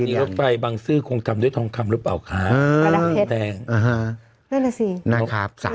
บ้านสถานีลงไปบางซื่อคงทำด้วยทองคำรึเปล่าคะ